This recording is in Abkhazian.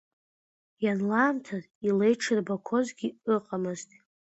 Ианлаамҭаз илеиҽырбақәозгьы ыҟамыз!